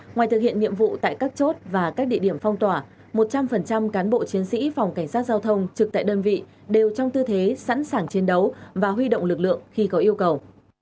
ngoài thực hiện nhiệm vụ tại các chốt và các địa điểm phong tỏa một trăm linh cán bộ chiến sĩ phòng cảnh sát giao thông trực tại đơn vị đều trong tư thế sẵn sàng chiến đấu và huy động lực lượng khi có yêu cầu